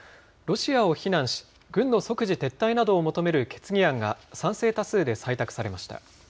ロシアを非難し、軍の即時撤退などを求める決議案が賛成多数で採択されました。